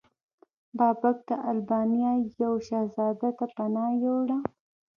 بابک د البانیا یو شهزاده ته پناه یووړه.